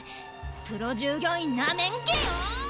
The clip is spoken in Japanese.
プロ従業員なめんけよ！